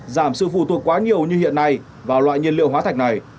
giảm sự phụ thuộc quá nhiều như hiện nay vào loại nhiên liệu hóa thạch